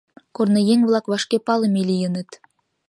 Корныеҥ-влак вашке палыме лийыныт.